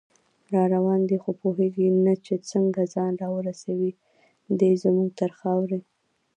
راروان دی خو پوهیږي نه چې څنګه، ځان راورسوي دی زمونږ تر خاورې